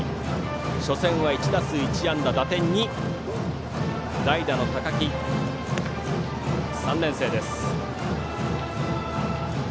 初戦は１打数１安打打点２という代打の高木、３年生です。